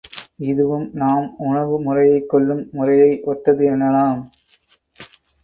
இதுவும் நாம் உணவு முறையைக் கொள்ளும் முறையை ஒத்தது என்னலாம்.